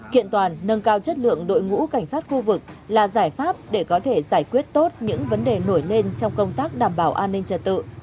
kiện toàn nâng cao chất lượng đội ngũ cảnh sát khu vực là giải pháp để có thể giải quyết tốt những vấn đề nổi lên trong công tác đảm bảo an ninh trật tự